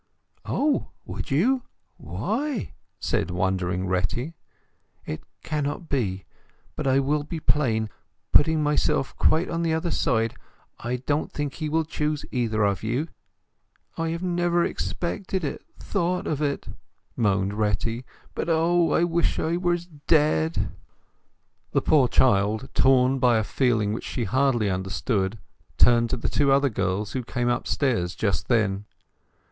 "Oh! would you? Why?" said wondering Retty. "It cannot be! But I will be plain. Putting myself quite on one side, I don't think he will choose either of you." "I have never expected it—thought of it!" moaned Retty. "But O! I wish I was dead!" The poor child, torn by a feeling which she hardly understood, turned to the other two girls who came upstairs just then.